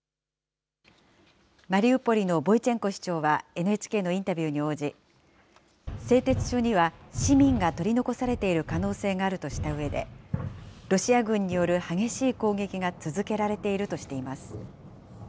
マリウポリのボイチェンコ市長はＮＨＫのインタビューに応じ、製鉄所には市民が取り残されている可能性があるとしたうえで、ロシア軍による激しい攻撃が続けられているとしています。